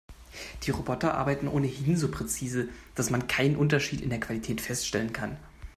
Die Roboter arbeiten ohnehin so präzise, dass man keinen Unterschied in der Qualität feststellen kann.